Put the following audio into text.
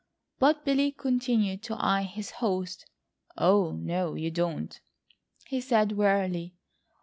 But Billy continued to eye his host. "Oh, no, you don't," he said warily.